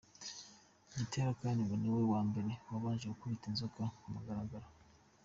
Gitera kandi ngo niwe wa mbere wabanje kubita ‘inzoka’ ku mugaragaro.